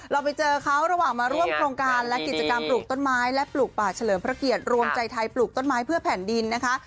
เราไปเจอเขาระหว่างมาร่วมโครงการและกิจกรรมปลูกต้นไม้และปลูกป่าเฉลิมพระเกียรติรวมใจไทยปลูกต้นไม้เพื่อแผ่นดินนะคะ